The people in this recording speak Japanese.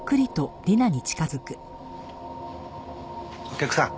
お客さん